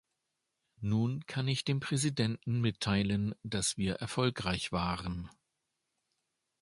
Nun kann ich dem Präsidenten mitteilen, dass wir erfolgreich waren.